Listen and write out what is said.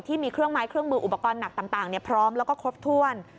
ที่มีเครื่องไม้เครื่องมืออุปกรณ์หนักต่างพร้อมแล้วก็ครบถ้วน